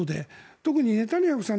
特にネタニヤフさん